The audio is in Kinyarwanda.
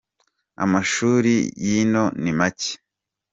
Amashuri yino ni make.